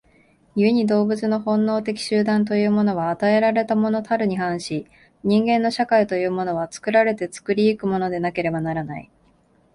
故に動物の本能的集団というものは与えられたものたるに反し、人間の社会というのは作られて作り行くものでなければならない。